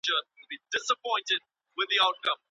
که ویلچیرونه په اسانۍ حرکت وکړای سي، نو معلولین نه ځوریږي.